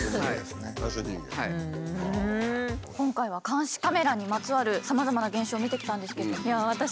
今回は監視カメラにまつわるさまざまな現象を見てきたんですけど私